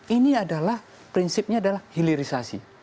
ini adalah prinsipnya adalah hilirisasi